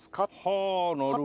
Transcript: はぁなるほどね。